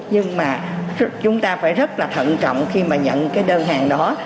nhưng mà chúng ta phải rất là thận trọng khi mà nhận cái đơn hàng đó